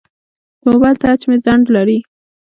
د موبایل ټچ مې ځنډ لري.